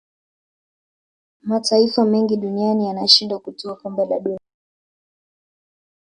mataifa mengi duniani yanashindwa kutwaa kombe la dunia